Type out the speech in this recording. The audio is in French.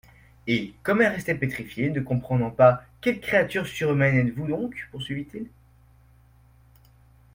Et, comme elle restait pétrifiée, ne comprenant pas : —«Quelle créature surhumaine êtes-vous donc ?…» poursuivit-il.